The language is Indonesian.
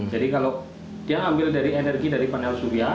jadi kalau dia ambil dari energi dari panel surya